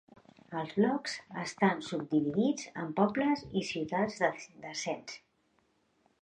Els blocs estan subdividits en pobles i ciutats de cens.